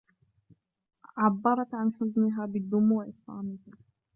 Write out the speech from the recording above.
عَبّرتْ عن حزنها بالدموع الصامتة.